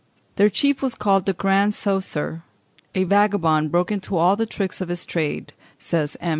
Their chief was called the Grand Coesre, "a vagabond broken to all the tricks of his trade," says M.